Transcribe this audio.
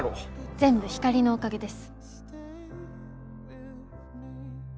全部光のおかげです。